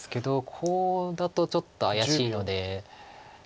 コウだとちょっと怪しいので。